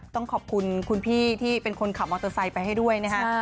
ต้องขอบคุณคุณพี่ที่เป็นคนขับมอเตอร์ไซค์ไปให้ด้วยนะฮะ